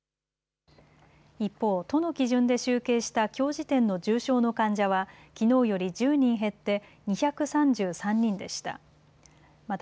一方、都の基準で集計したきょう時点の重症の患者はきのうより１０人減って２３３人でした。